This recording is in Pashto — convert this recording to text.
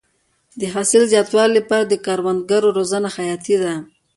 د حاصل د زیاتوالي لپاره د کروندګرو روزنه حیاتي ده.